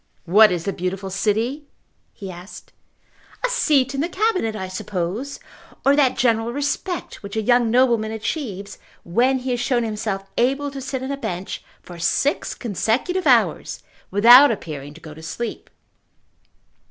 "What is the beautiful city?" he asked. "A seat in the Cabinet, I suppose, or that general respect which a young nobleman achieves when he has shown himself able to sit on a bench for six consecutive hours without appearing to go to sleep."